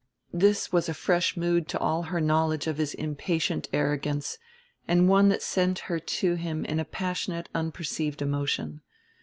This was a fresh mood to all her knowledge of his impatient arrogance, and one that sent her to him in a passionate unperceived emotion.